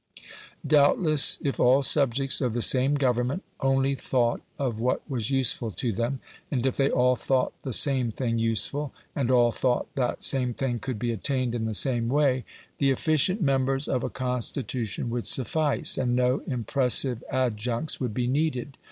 Doubtless, if all subjects of the same Government only thought of what was useful to them, and if they all thought the same thing useful, and all thought that same thing could be attained in the same way, the efficient members of a constitution would suffice, and no impressive adjuncts would be needed.